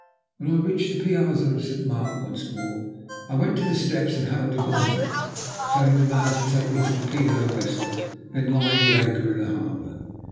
When I reached the piazza of St. Mark once more I went to the steps and hailed a gondola, telling the man to take me to the P. and O. vessel then lying at anchor in the harbour.